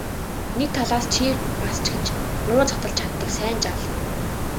Нэг талаас чи бас ч гэж нууц хадгалж чаддаг сайн жаал.